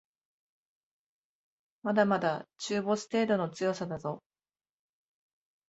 まだまだ中ボス程度の強さだぞ